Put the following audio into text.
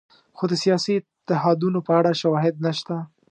خو د سیاسي اتحادونو په اړه شواهد نشته.